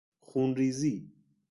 خون ریزی